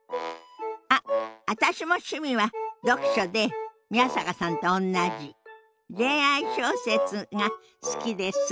あっ私も趣味は読書で宮坂さんとおんなじ恋愛小説が好きです。